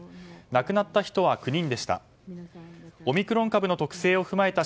亡くなった人は９人でした。